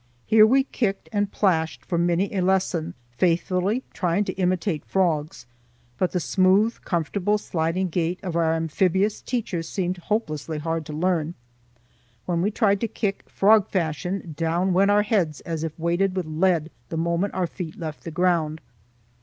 Here we kicked and plashed for many a lesson, faithfully trying to imitate frogs; but the smooth, comfortable sliding gait of our amphibious teachers seemed hopelessly hard to learn. When we tried to kick frog fashion, down went our heads as if weighted with lead the moment our feet left the ground.